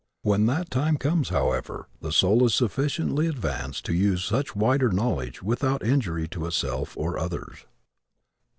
When that time comes, however, the soul is sufficiently advanced to use such wider knowledge without injury to itself or others.